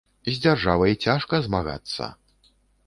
З дзяржавай цяжка змагацца.